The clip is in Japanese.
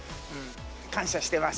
感謝してます。